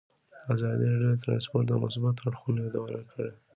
ازادي راډیو د ترانسپورټ د مثبتو اړخونو یادونه کړې.